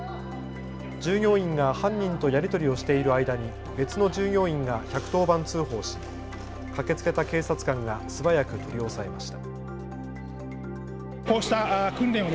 従業員が犯人とやり取りをしている間に別の従業員が１１０番通報し駆けつけた警察官が素早く取り押さえました。